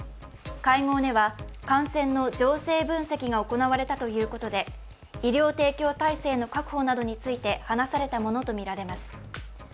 会合では感染の情勢分析が行われたということで医療提供体制の確保などについて話されたものとみられます。